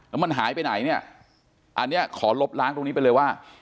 แล้วมันหายไปไหนเนี่ยอันนี้ขอลบล้างตรงนี้ไปเลยว่า